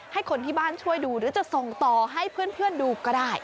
ให้คนที่บ้านช่วยดูหรือจะส่งต่อให้เพื่อนดูก็ได้